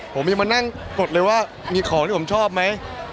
ผมยังมานั่งกดเลยว่ามีของที่ผมชอบไหม